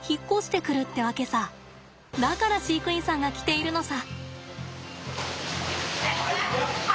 だから飼育員さんが来ているのさ。